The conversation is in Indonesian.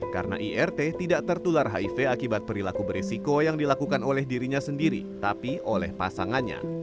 karena irt tidak tertular hiv akibat perilaku beresiko yang dilakukan oleh dirinya sendiri tapi oleh pasangannya